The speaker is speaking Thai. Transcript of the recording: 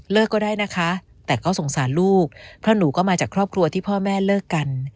ก็ได้นะคะแต่ก็สงสารลูกเพราะหนูก็มาจากครอบครัวที่พ่อแม่เลิกกัน